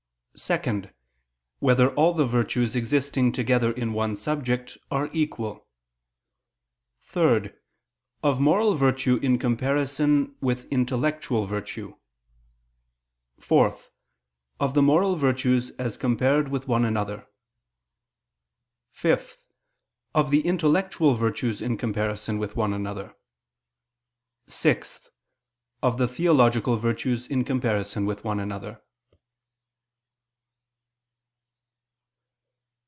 (2) Whether all the virtues existing together in one subject are equal? (3) Of moral virtue in comparison with intellectual virtue; (4) Of the moral virtues as compared with one another; (5) Of the intellectual virtues in comparison with one another; (6) Of the theological virtues in comparison with one another.